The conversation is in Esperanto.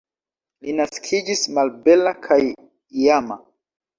Li naskiĝis malbela kaj lama.